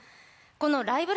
この「ライブ！